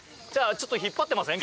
ちょっと引っ張ってません？